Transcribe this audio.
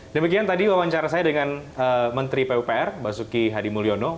demikian tadi wawancara saya dengan menteri pupr basuki hadimulyono